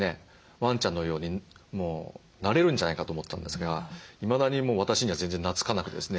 ワンちゃんのようにもうなれるんじゃないかと思ったんですがいまだに私には全然なつかなくてですね